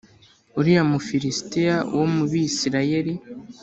uriya mu filisitiya wo mubi Isirayeli